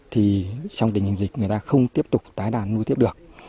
thì trong tình hình dịch người ta không tiếp tục tái đàn nuôi tiếp được